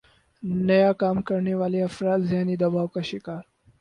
نیا کام کرنے والےافراد ذہنی دباؤ کا شکار